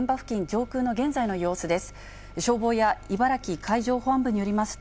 上空の現在の様子です。